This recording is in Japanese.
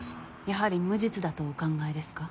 やはり無実だとお考えですか？